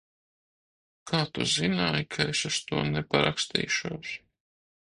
Kā tu zināji, ka es uz to neparakstīšos?